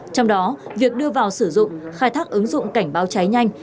trong đó việc đưa vào sử dụng khai thác ứng dụng cảnh báo cháy nhanh